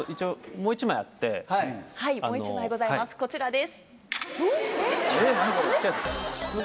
もう１枚ございますこちらです！